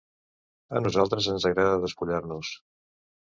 A nosaltres ens agrada despullar-nos.